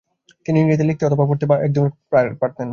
তিনি ইংরেজিতে লিখতে অথবা পড়তে প্রায় একদমই পারতেন না।